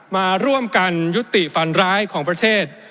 มาร่วมกันยุติฝันร้ายของประเทศ